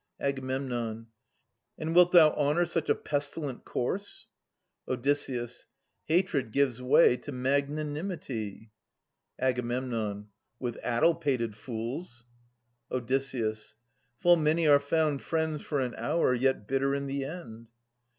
Ag. And wilt thou honour such a pestilent corse ? Od. Hatred gives way to magnanimity. Ag, With addle pated fools. Od. Full many are found Friends for an hour, yet bitter in the end.